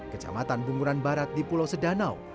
kecamatan bunguran barat di pulau sedanau